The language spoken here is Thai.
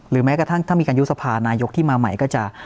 แม้กระทั่งถ้ามีการยุบสภานายกที่มาใหม่ก็จะ